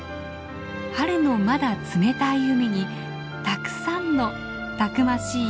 春のまだ冷たい海にたくさんのたくましい